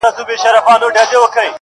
سم وارخطا,